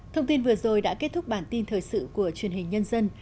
thông tin vừa rồi đã kết thúc bản tin thời sự của truyền hình nhân dân